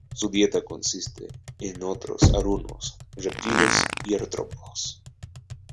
Su dieta consiste en otros anuros, reptiles y artrópodos.